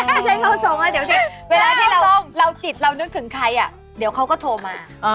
ถ้าใช้เขาส่งเดี๋ยวเวลาที่เราจิตเรานึกถึงใครอ่ะเดี๋ยวเขาก็โทรมา